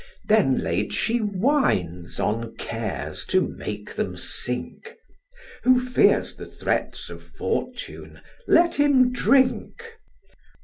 Then laid she wines on cares to make them sink: Who fears the threats of Fortune, let him drink.